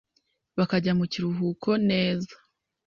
bakajya mu kiruhuko neza